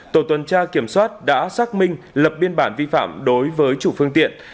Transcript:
tổ tuần tra kiểm soát đã xác minh lập biên bản vi phạm đối với chủ phương tiện